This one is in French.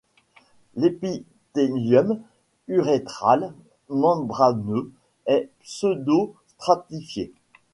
L'épithélium urétral membraneux est pseudo-stratifié.